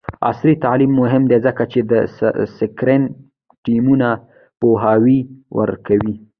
عصري تعلیم مهم دی ځکه چې د سکرم ټیمونو پوهاوی ورکوي.